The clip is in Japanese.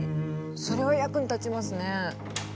それは役に立ちますね。